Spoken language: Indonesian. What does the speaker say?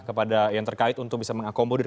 kepada yang terkait untuk bisa mengakomodir